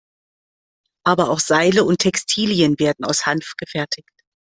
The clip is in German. Aber auch Seile und Textilien werden aus Hanf gefertigt.